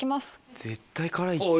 絶対辛いって。